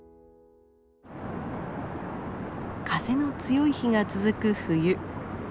風の強い日が続く冬。